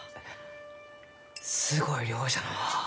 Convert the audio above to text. すごい量じゃのう。